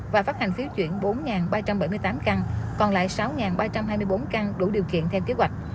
và phát hành phiếu chuyển bốn ba trăm bảy mươi tám căn còn lại sáu ba trăm hai mươi bốn căn đủ điều kiện theo kế hoạch